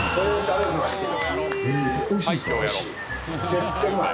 絶対うまい。